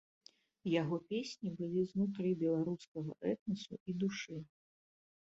Яго песні былі знутры беларускага этнасу і душы.